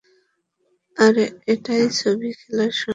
আর এটাই ছবি খেলার সঙ্গে বাস্তবের পার্থক্য।